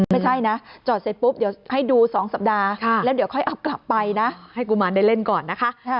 ไม่ใช่นะจอดเสร็จปุ๊บเดี๋ยวให้ดู๒สัปดาห์แล้วเดี๋ยวค่อยเอากลับไปนะให้กุมารได้เล่นก่อนนะคะ